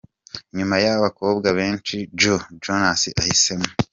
Nyuma y'abakobwa benshi, Joe Jonas ahisemo.